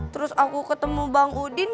terus aku ketemu bang udin